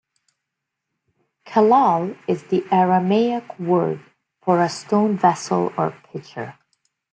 "Kallal" is the Aramaic word for a stone vessel or pitcher.